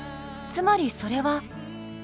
つまりそれは。